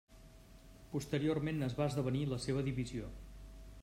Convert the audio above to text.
Posteriorment, es va esdevenir la seva divisió.